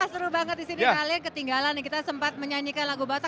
seru banget di sini kalian ketinggalan kita sempat menyanyikan lagu batak